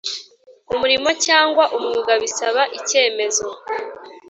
umurimo cyangwa umwuga bisaba icyemezo,